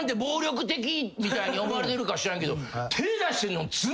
みたいに思われてるか知らんけど。